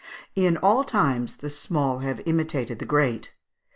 In all times the small have imitated the great.